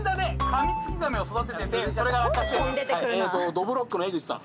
どぶろっくの江口さん。